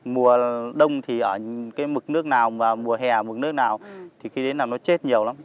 mùa đông thì ở cái mực nước nào và mùa hè ở mực nước nào thì khi đến nào nó chết nhiều lắm